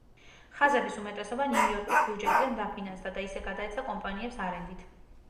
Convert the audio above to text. ხაზების უმეტესობა ნიუ-იორკის ბიუჯეტიდან დაფინანსდა და ისე გადაეცა კომპანიებს არენდით.